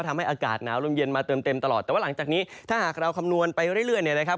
อากาศหนาวลมเย็นมาเติมเต็มตลอดแต่ว่าหลังจากนี้ถ้าหากเราคำนวณไปเรื่อยเนี่ยนะครับ